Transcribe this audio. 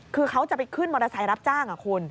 คือเขาจะไปขึ้นมอเตอร์ไซค์รับจ้างคุณ